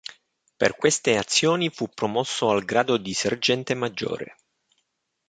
Per queste azioni fu promosso al grado di Sergente maggiore.